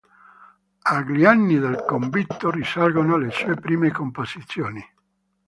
Agli anni del convitto risalgono le sue prime composizioni.